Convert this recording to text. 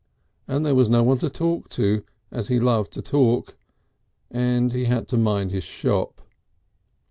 And there was no one to talk to, as he loved to talk. And he had to mind his shop.